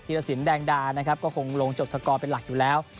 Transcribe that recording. รสินแดงดานะครับก็คงลงจบสกอร์เป็นหลักอยู่แล้ว